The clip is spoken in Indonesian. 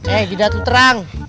eh tidak tuh terang